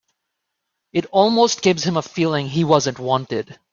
It almost gives him a feeling he wasn't wanted.